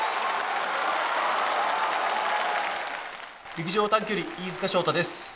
陸上短距離、飯塚翔太です。